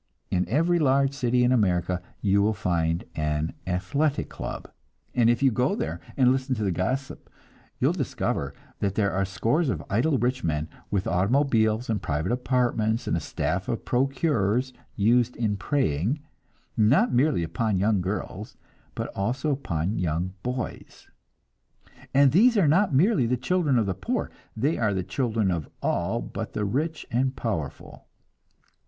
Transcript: In every large city in America you will find an "athletic club," and if you go there and listen to the gossip, you discover that there are scores of idle rich men with automobiles and private apartments, and a staff of procurers used in preying, not merely upon young girls, but also upon young boys. And these are not merely the children of the poor, they are the children of all but the rich and powerful.